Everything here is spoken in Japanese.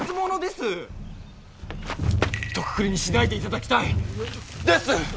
ひとくくりにしないでいただきたい！です！